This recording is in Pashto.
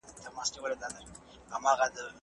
تاسي باید په ژوند کي د اخیرت بریا ته کار وکړئ.